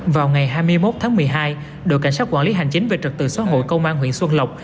vào ngày hai mươi một tháng một mươi hai đội cảnh sát quản lý hành chính về trật tự xã hội công an huyện xuân lộc